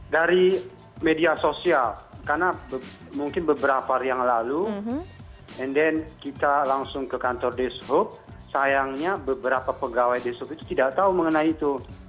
dari media sosial karena mungkin beberapa hari yang lalu and then kita langsung ke kantor dishub sayangnya beberapa pegawai dishub itu tidak tahu mengenai itu